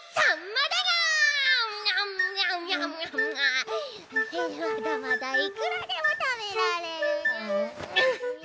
まだまだいくらでも食べられるにゃ。